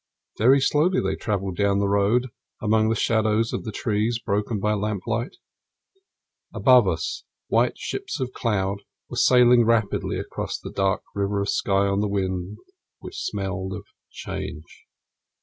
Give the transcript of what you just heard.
Very slowly they travelled down the road among the shadows of the trees broken by lamplight. Above us, white ships of cloud were sailing rapidly across the dark river of sky on the wind which smelled of change.